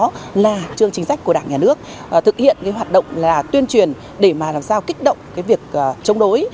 đó là chương chính sách của đảng nhà nước thực hiện cái hoạt động là tuyên truyền để mà làm sao kích động cái việc chống đối